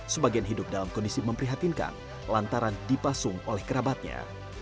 sebagian hidup dalam kondisi memprihatinkan lantaran dipasung oleh kerabatnya